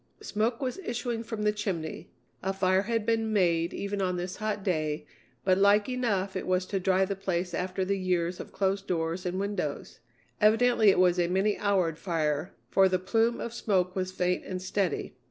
Smoke was issuing from the chimney. A fire had been made even on this hot day, but like enough it was to dry the place after the years of closed doors and windows. Evidently it was a many houred fire, for the plume of smoke was faint and steady.